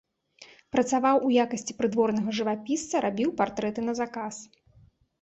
Працаваў у якасці прыдворнага жывапісца, рабіў партрэты на заказ.